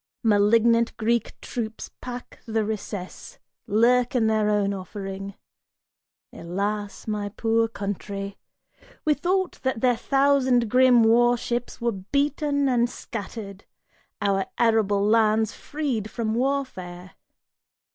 Malignant Greek troops pack the recess, lurk in their own offering. Alas my poor country! We thought that their thousand grim war ships Were beaten and scattered, our arable lands freed from warfare!